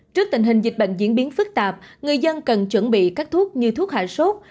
trước tình hình dịch bệnh diễn biến phức tạp người dân cần chuẩn bị các thuốc như thuốc hạ sốt